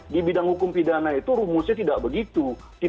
di bidang hukum pidana itu rumusnya tidak begitu